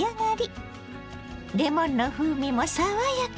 レモンの風味も爽やか。